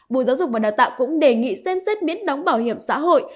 bộ giáo dục và đào tạo cũng đề nghị xem xét miễn đóng bảo hiểm xã hội